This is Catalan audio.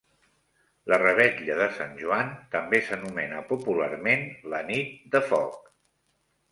La revetlla de Sant Joan també s'anomena popularment la Nit de Foc.